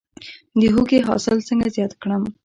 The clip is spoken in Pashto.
د هوږې حاصل څنګه زیات کړم؟